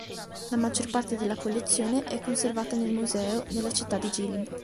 La maggior parte della collezione è conservata nel Museo della città di Jilin.